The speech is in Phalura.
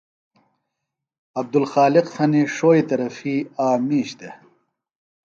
عبدلخالق تھنیۡ ݜوئی طرفی آک مِیش دےۡ